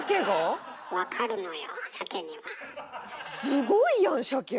すごいやんサケ！